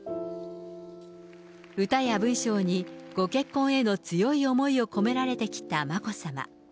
歌や文章に、ご結婚への強い思いを込められてきた眞子さま。